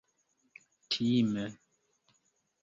time